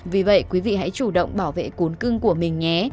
vì vậy quý vị hãy chủ động bảo vệ cuốn cưng của mình nhé